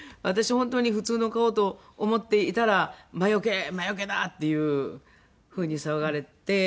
本当に普通の顔と思っていたら「魔よけ！魔よけだ！」っていう風に騒がれて。